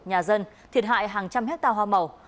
nhà dân thiệt hại hàng trăm hectare hoa màu